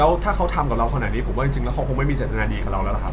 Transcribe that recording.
แล้วถ้าเขาทำกับเราขนาดนี้ผมว่าจริงแล้วเขาคงไม่มีเจตนาดีกับเราแล้วล่ะครับ